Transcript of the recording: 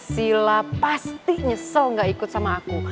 sila pasti nyesel gak ikut sama aku